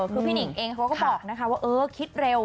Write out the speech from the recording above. คือพี่นิ่งเขาก็บอกว่าคิดเร็ว